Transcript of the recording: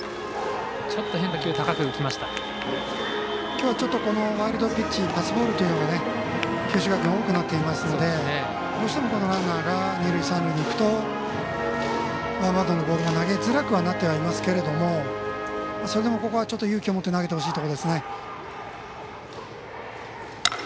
今日は、ちょっとワイルドピッチパスボールというのが九州学院多くなっていますのでどうしてもランナーが二塁三塁にいくとワンバウンドのボールを投げづらくはなっていますけどそれでもここは勇気を持って投げてほしいですね。